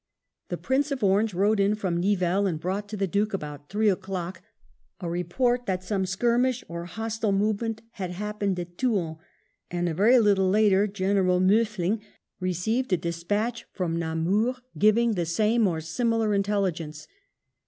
The Prince of Orange rode in from Nivelles and brought to the Duke about three o'clock a report that some skirmish or hostile movement had happened at Thuin ; and a very little later General Muffing received a despatch from Namur giving the same or similar intelligence.